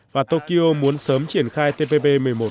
và tokyo muốn sớm triển khai tpp một mươi một